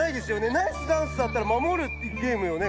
ナイスダンスだったら守るってゲームよね？